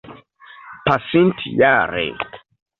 pasintjare